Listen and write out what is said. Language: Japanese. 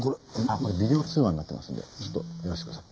これビデオ通話になってますんでちょっとやらせてください。